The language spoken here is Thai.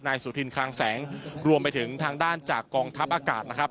สุธินคลังแสงรวมไปถึงทางด้านจากกองทัพอากาศนะครับ